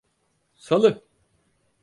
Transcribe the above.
Salı…